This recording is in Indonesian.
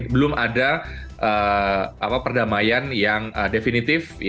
belum ada perdamaian yang definitif